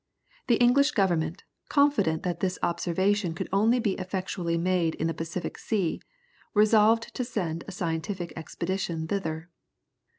The English Government, confident that this observation could only be effectually made in the Pacific Sea, resolved to send a scientific expedition thither.